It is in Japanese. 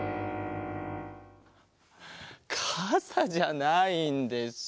かさじゃないんです。